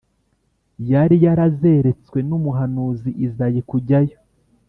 yari yarazeretswe n’umuhanuzi Izayi, kujyayo